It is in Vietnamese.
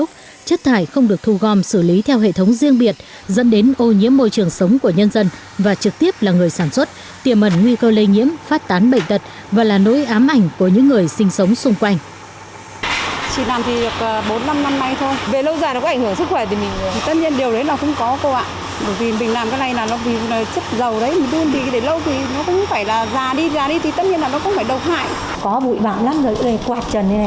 chất thải không được thu gom xử lý theo hệ thống riêng biệt dẫn đến ô nhiếm môi trường sống của nhân dân và trực tiếp là người sản xuất tiềm ẩn nguy cơ lây nhiễm phát tán bệnh tật và là nỗi ám ảnh của những người sinh sống xung quanh